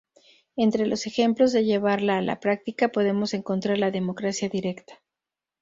Entre los ejemplos de llevarla a la práctica podemos encontrar la democracia directa.